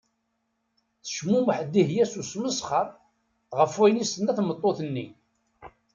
Tecmumeḥ Dihya s usmesxer ɣef wayen i as-tenna tmeṭṭut-nni.